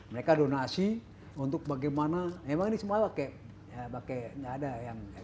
mereka donasi untuk bagaimana emang ini semua pakai pakai ada yang kreatif saja ini